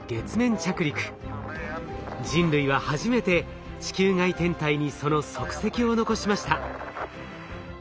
人類は初めて地球外天体にその足跡を残しました。